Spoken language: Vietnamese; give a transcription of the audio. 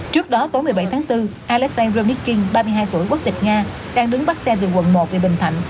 trước đó tối một mươi bảy tháng bốn alessan roniking ba mươi hai tuổi quốc tịch nga đang đứng bắt xe từ quận một về bình thạnh